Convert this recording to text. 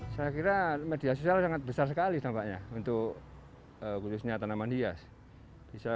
saya kira media sosial sangat besar sekali dampaknya untuk khususnya tanaman hias